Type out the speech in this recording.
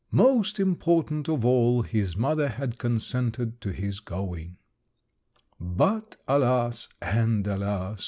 Most important of all, his mother had consented to his going. "But alas, and alas!